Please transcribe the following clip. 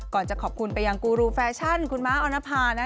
จะขอบคุณไปยังกูรูแฟชั่นคุณม้าออนภา